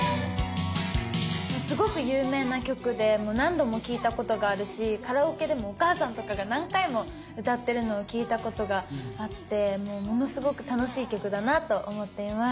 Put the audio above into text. すごく有名な曲でもう何度も聞いたことがあるしカラオケでもお母さんとかが何回も歌ってるのを聞いたことがあってものすごく楽しい曲だなと思っています。